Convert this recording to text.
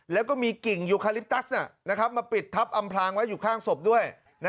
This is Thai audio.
แล้วก็มีกิ่งยูคาลิปตัสมาปิดทับอำพลางไว้อยู่ข้างศพด้วย